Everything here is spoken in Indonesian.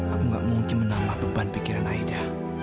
aku gak mungkin menambah beban pikiran aida